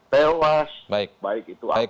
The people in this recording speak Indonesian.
tewas baik baik itu